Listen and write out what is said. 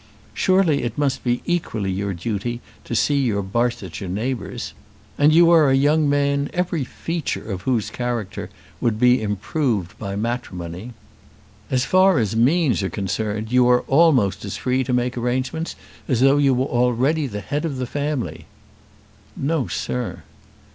Surely it must be equally your duty to see your Barsetshire neighbours. And you are a young man every feature of whose character would be improved by matrimony. As far as means are concerned you are almost as free to make arrangements as though you were already the head of the family." "No, sir."